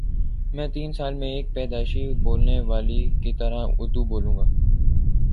میں تین سال میں ایک پیدائشی بولنے والے کی طرح اردو بولوں گا